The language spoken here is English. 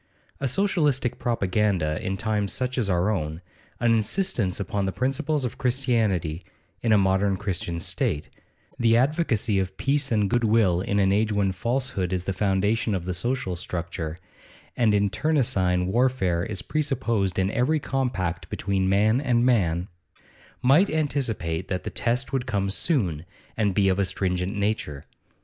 A Socialistic propaganda in times such as our own, an insistence upon the principles of Christianity in a modern Christian state, the advocacy of peace and good will in an age when falsehood is the foundation of the social structure, and internecine warfare is presupposed in every compact between man and man, might anticipate that the test would come soon, and be of a stringent nature.